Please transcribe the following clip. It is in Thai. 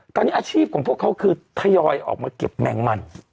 ตอนนี้อาชีพของพวกเขาคือทยอยออกมาเก็บแมงมัน